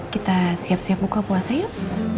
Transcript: kita siap siap buka puasa yuk